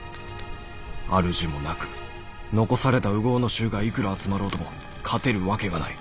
主もなく残された烏合の衆がいくら集まろうとも勝てるわけがない。